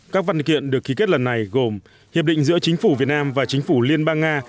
các văn kiện được ký kết lần này gồm hiệp định giữa chính phủ việt nam và chính phủ liên bang nga